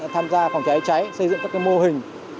tham gia phòng cháy cháy xây dựng các mô hình